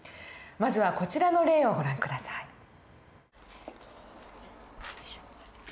まずはこちらの例をご覧下さい。